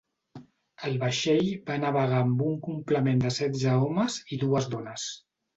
El vaixell va navegar amb un complement de setze homes i dues dones.